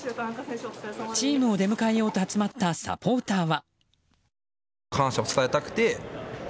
チームを出迎えようと集まったサポーターは。